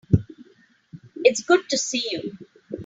It's good to see you.